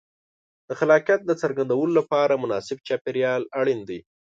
د خلاقیت د څرګندولو لپاره مناسب چاپېریال اړین دی.